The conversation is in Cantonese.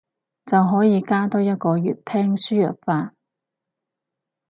就可以加多一個粵拼輸入法